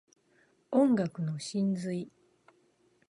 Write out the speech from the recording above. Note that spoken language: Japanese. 音楽の真髄